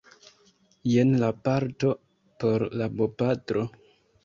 Jen la parto por la bopatro